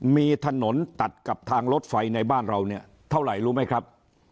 มีถนนตัดกับทางรถไฟในบ้านเราเนี่ยเท่าไหร่รู้ไหมครับ